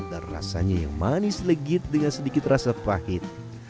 dan rasanya yang manis legit dengan sedikit rasa pahit